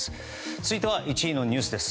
続いては１位のニュースです。